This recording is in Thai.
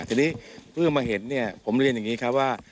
ทีนี้เพิ่งเอามาเห็นผมเรียนอย่างนี้ครับว่า